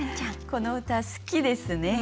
この歌好きですね。